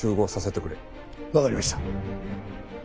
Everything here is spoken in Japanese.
わかりました。